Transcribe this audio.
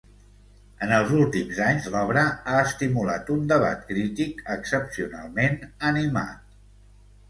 En els últims anys, l'obra "ha estimulat un debat crític excepcionalment animat".